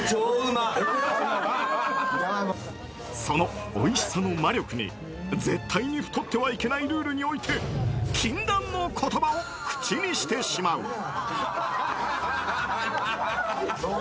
そのおいしさの魔力に絶対に太ってはいけないルールにおいて禁断の言葉を口にしてしまう。